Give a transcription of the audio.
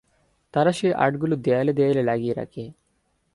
তারা সেই আর্টগুলো দেয়ালে দেয়ালে লাগিয়ে রাখে।